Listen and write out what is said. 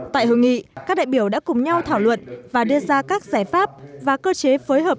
tại hội nghị các đại biểu đã cùng nhau thảo luận và đưa ra các giải pháp và cơ chế phối hợp